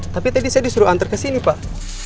tapi tadi saya disuruh antar kesini pak